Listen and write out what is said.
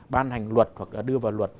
ban hành luật hoặc là đưa vào luật